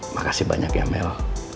makasih banyak ya mel